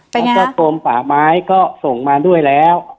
แล้วก็จริงกฎป่าม้ายก็ส่งมาด้วยแล้ว